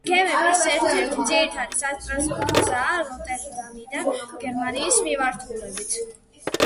გემების ერთ-ერთი ძირითადი სატრანსპორტო გზაა როტერდამიდან გერმანიის მიმართულებით.